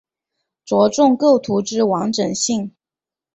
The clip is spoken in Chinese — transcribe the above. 着重构图之完整性